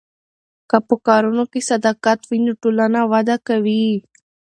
که په کارونو کې صداقت وي نو ټولنه وده کوي.